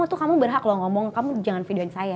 tuh kamu berhak loh ngomong kamu jangan videoin saya